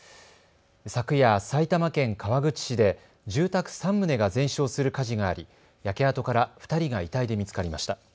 昨夜、埼玉県川口市で住宅３棟が全焼する火事があり焼け跡から２人が遺体で見つかりました。